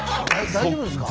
大丈夫ですか？